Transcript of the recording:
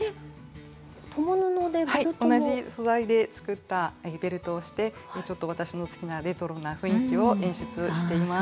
同じ素材で作ったベルトをしてちょっと私の好きなレトロな雰囲気を演出しています。